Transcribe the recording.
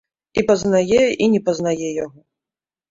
І пазнае і не пазнае яго.